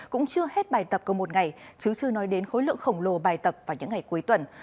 cũng chưa hết bài tập của một ngày chứ chưa nói đến khối lượng khổng lồ bài tập vào những ngày cuối tuần